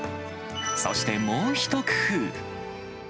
そして、もう一工夫。